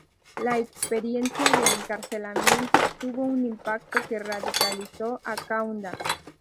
La experiencia del encarcelamiento tuve un impacto que radicalizó a Kaunda.